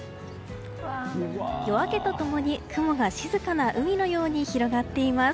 夜明けと共に雲が静かな海のように広がっています。